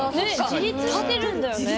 自立してるんだよね。